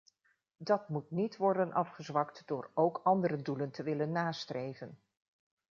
Dat moet niet worden afgezwakt door ook andere doelen te willen nastreven.